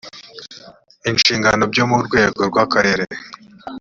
inshingano byo mu rwego rw akarere